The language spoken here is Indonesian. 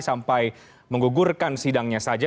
sampai menggugurkan sidangnya saja